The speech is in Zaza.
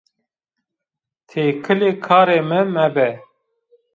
Têkilê karê mi mebe!